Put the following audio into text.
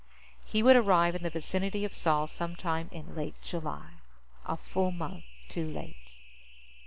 He would arrive in the vicinity of Sol some time in late July a full month too late.